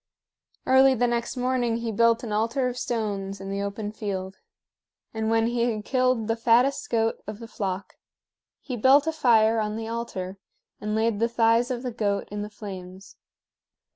Early the next morning he built an altar of stones in the open field; and when he had killed the fattest goat of the flock, he built a fire on the altar and laid the thighs of the goat in the flames.